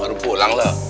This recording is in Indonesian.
baru pulang lo